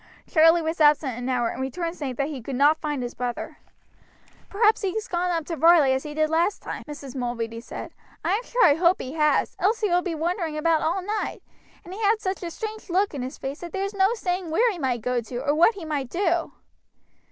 Charlie was absent an hour, and returned saying that he could not find his brother. "Perhaps he's gone up to Varley as he did last time," Mrs. Mulready said. "I am sure I hope he has, else he will be wandering about all night, and he had such a strange lock in his face that there's no saying where he might go to, or what he might do."